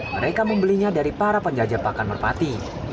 mereka membelinya dari para penjajah pakan merpati